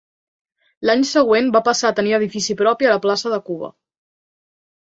L'any següent va passar a tenir edifici propi a la plaça de Cuba.